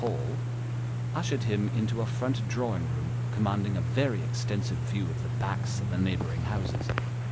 239 Hall," ushered him into a front drawing room commanding a very extensive view of the backs of the neighbouring houses.